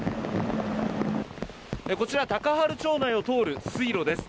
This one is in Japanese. こちら、高原町内を通る水路です。